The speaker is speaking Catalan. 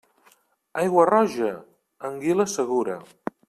Aigua roja? Anguila segura.